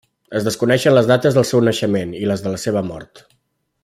Es desconeixen les dates del seu naixement i les de la seva mort.